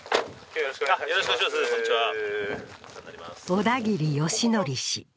小田切義憲氏。